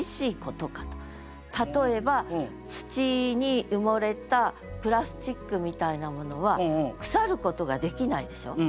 例えば土に埋もれたプラスチックみたいなものは腐ることができないでしょう？